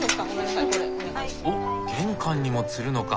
おっ玄関にもつるのか。